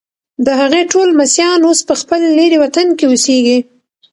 د هغې ټول لمسیان اوس په خپل لیرې وطن کې اوسیږي.